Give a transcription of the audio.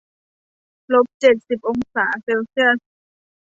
ลบเจ็ดสิบองศาเซลเซียส